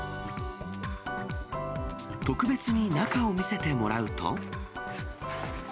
特別に中を見せてもらうと。